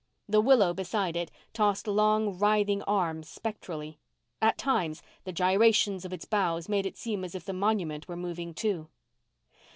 The willow beside it tossed long, writhing arms spectrally. At times, the gyrations of its boughs made it seem as if the monument were moving, too.